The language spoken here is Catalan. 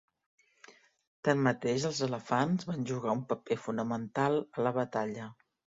Tanmateix, els elefants van jugar un paper fonamental a la batalla.